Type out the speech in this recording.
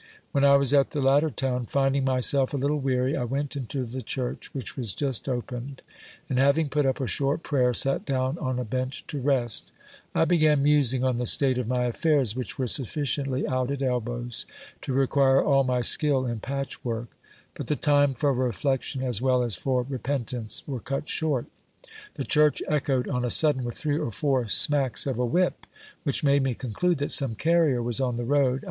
When I was at the latter town, finding myself a little weary, I went into the church which was just opened, and having put up a short prayer, sat down on a bench to rest I be gan musing on the state of my affairs, which were sufficiently out at elbows to require all my skill in patch work, but the time for reflection as well as for re pentance were cut short. The church echoed on a sudden with three or four smacks of a whip, which made me conclude that some carrier was on the' road.